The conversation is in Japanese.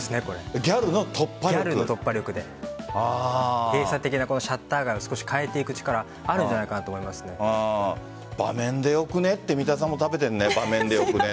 ギャルの突破力で閉鎖的なシャッター街を少し変えていく力、あるん場面でよくねって三田さんも食べているね。